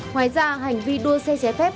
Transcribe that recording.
ngoài ra hành vi đua xe ché phép